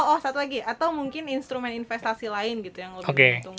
oh satu lagi atau mungkin instrumen investasi lain gitu yang lebih keuntungan